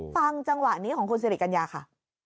จังหวะนี้ของคุณสิริกัญญาค่ะ